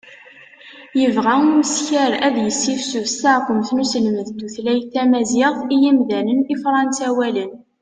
yebɣa umeskar ad yessifsus taɛekkumt n uselmed n tutlayt tamaziɣt i yimdanen ifransawalen